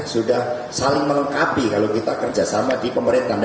sudah saling mengenkapi kalau kita kerjasama di pemerintahan